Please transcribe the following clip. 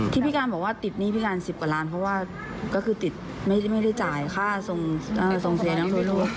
ที่พี่การบอกว่าติดหนี้พี่การ๑๐กว่าล้านเพราะว่าก็คือติดไม่ได้จ่ายค่าส่งเสียน้อง